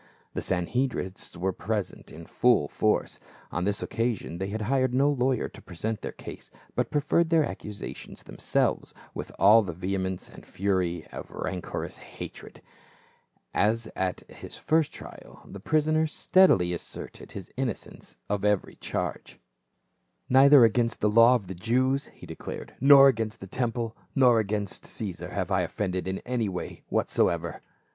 The Sanhedrists were present in full force ; on this occasion they had hired no lawyer to present their cause, but preferred their accusations themselves with all the vehemence and fury of rancorous hatred. As at his first trial, the prisoner steadily asser ted * Mark xv., ii , Acts vi., 12; xiii., 50; xiv., 2. 27 418 PAUL. his innocence of every charge. " Neither against the law of the Jews," he declared, " nor against the tem ple, nor yet against Caesar, have I offended in any way whatsoever."